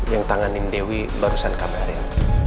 yang tanganin dewi barusan kabarnya